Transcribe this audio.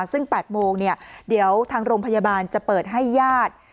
ซึ่ง๘โมงเดี๋ยวทางโรงพยาบาลจะเปิดให้ญาติ